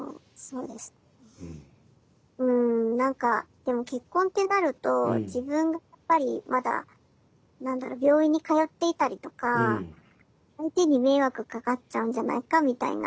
うん何かでも結婚ってなると自分がやっぱりまだ何だろ病院に通っていたりとか相手に迷惑かかっちゃうんじゃないかみたいな